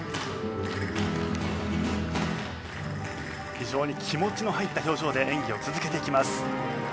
非常に気持ちの入った表情で演技を続けていきます。